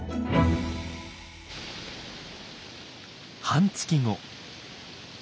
半月後。